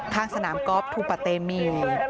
ทางสนามกอล์ฟทูปะเตมี